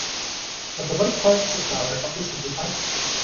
At the right part is a flower of his native island.